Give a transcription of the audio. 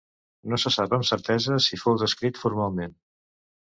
No se sap amb certesa si fou descrit formalment.